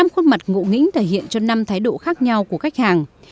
năm khuôn mặt ngụ nghĩnh thể hiện cho năm thái độ khác nhau của khách hàng